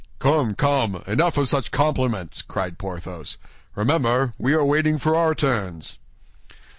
"Come, come, enough of such compliments!" cried Porthos. "Remember, we are waiting for our turns."